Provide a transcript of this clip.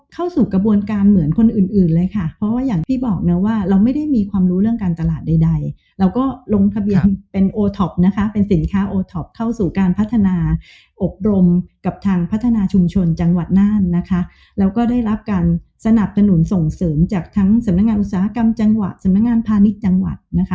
เข้าสู่กระบวนการเหมือนคนอื่นอื่นเลยค่ะเพราะว่าอย่างที่บอกนะว่าเราไม่ได้มีความรู้เรื่องการตลาดใดใดเราก็ลงทะเบียนเป็นโอท็อปนะคะเป็นสินค้าโอท็อปเข้าสู่การพัฒนาอบรมกับทางพัฒนาชุมชนจังหวัดน่านนะคะแล้วก็ได้รับการสนับสนุนส่งเสริมจากทั้งสำนักงานอุตสาหกรรมจังหวัดสำนักงานพาณิชย์จังหวัดนะคะ